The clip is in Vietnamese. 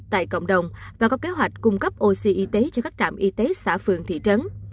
tại cộng đồng và có kế hoạch cung cấp oxy y tế cho các trạm y tế xã phường thị trấn